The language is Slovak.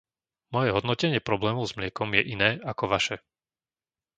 Moje hodnotenie problémov s mliekom je iné ako vaše.